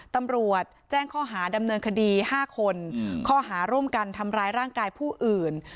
ตำรวจแจ้งข้อหาดำเนินคดี๕คนข้อหาร่วมกันทำร้ายร่างกายผู้อื่น